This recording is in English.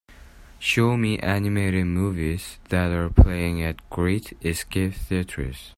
Show me animated movies that are playig at Great Escape Theatres